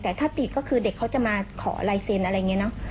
แต่ถ้าติดก็คือเด็กเขาจะมาขอลายเซ็นต์อะไรอย่างนี้เนอะ